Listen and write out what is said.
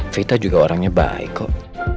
vita juga orangnya baik kok